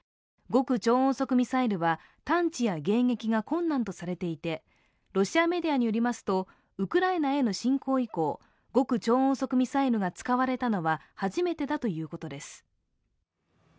極超音速ミサイルは探知や迎撃が困難とされていてロシアメディアによりますとウクライナへの侵攻以降極超音速ミサイルが使われたのは初めてだということです。